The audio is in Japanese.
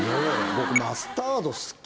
僕。